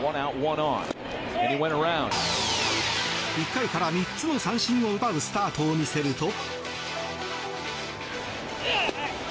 １回から３つの三振を奪うスタートを見せると。